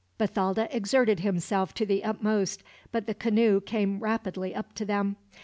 Bathalda exerted himself to the utmost, but the canoe came rapidly up to them.